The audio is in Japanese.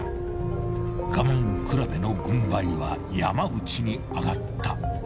［我慢比べの軍配は山内に上がった］